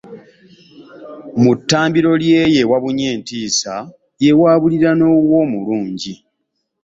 Mu ttambiro lye eyo ewabunye entiisa, ye waabulira n’owuwo omulungi.